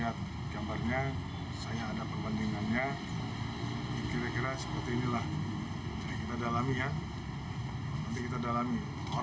orangnya siapa saya harus matangkan dulu